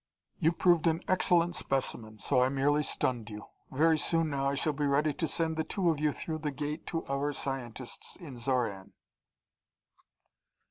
You proved an excellent specimen, so I merely stunned you. Very soon now I shall be ready to send the two of you through the Gate to our scientists in Xoran."